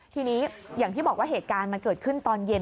ทีนี้อย่างที่บอกว่าเหตุการณ์มันเกิดขึ้นตอนเย็น